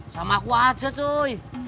sama aku aja cuy